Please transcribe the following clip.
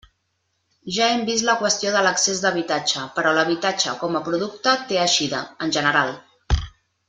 Ja hem vist la qüestió de l'excés d'habitatge, però l'habitatge com a producte té eixida, en general.